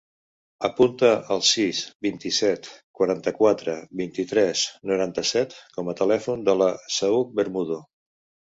Apunta el sis, vint-i-set, quaranta-quatre, vint-i-tres, noranta-set com a telèfon del Saüc Bermudo.